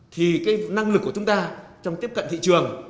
thì cái năng lực của chúng ta trong tiếp cận thị trường